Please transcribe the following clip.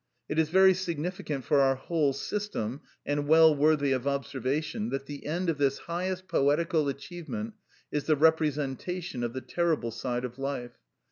It is very significant for our whole system, and well worthy of observation, that the end of this highest poetical achievement is the representation of the terrible side of life.